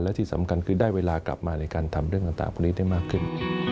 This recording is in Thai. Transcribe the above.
และที่สำคัญคือได้เวลากลับมาในการทำเรื่องต่างพวกนี้ได้มากขึ้น